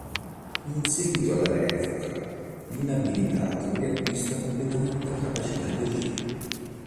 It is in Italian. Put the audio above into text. In seguito alla revoca l'inabilitato riacquista completamente la capacità di agire.